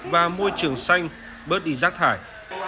và môi trường xanh bớt đi rác thải